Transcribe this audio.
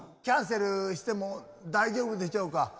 キャンセルしても大丈夫でしょうか？